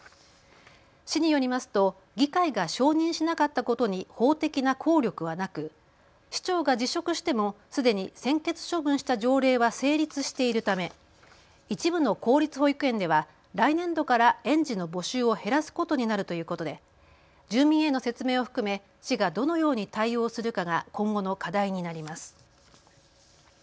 市によりますと議会が承認しなかったことに法的な効力はなく市長が辞職してもすでに専決処分した条例は成立しているため一部の公立保育園では来年度から園児の募集を減らすことになるということで住民への説明を含め市がどのように対応するかが今後の課題になります。